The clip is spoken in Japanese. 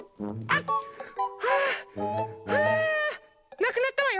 なくなったわよ。